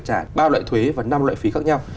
trả ba loại thuế và năm loại phí khác nhau